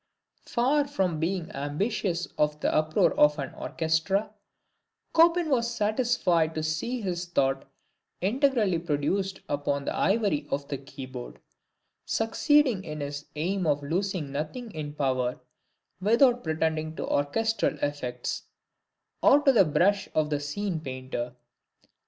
Far from being ambitious of the uproar of an orchestra, Chopin was satisfied to see his thought integrally produced upon the ivory of the key board; succeeding in his aim of losing nothing in power, without pretending to orchestral effects, or to the brush of the scene painter.